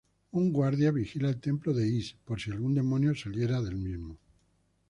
Un guardia vigila el templo de Ys por si algún demonio saliera de ella.